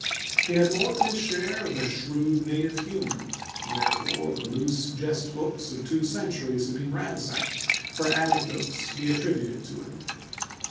He had more than his share of the shrewd native humor, and therefore the loose jest books of two centuries have been ransacked for anecdotes to be attributed to him.